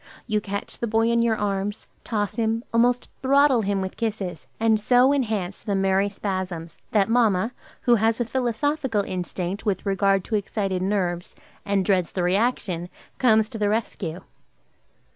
You catch the boy in your arms, toss him, almost throttle him with kisses, and so enhance the merry spasms, that mamma, who has a philosophical instinct with regard to excited nerves, and dreads the reaction, comes to the rescue.